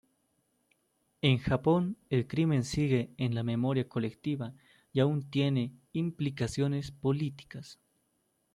En Japón, el crimen sigue en la memoria colectiva y aún tiene implicaciones políticas.